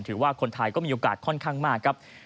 ถือว่าคนไทยก็มีโอกาสค่อนข้างมากครับ